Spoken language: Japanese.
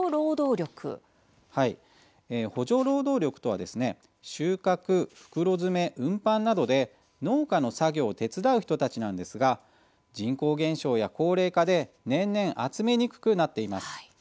補助労働力とはですね収穫、袋詰め、運搬などで農家の作業を手伝う人たちなんですが人口減少や高齢化で年々集めにくくなっています。